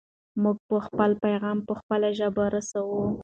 موږ به خپل پیغام په خپله ژبه رسوو.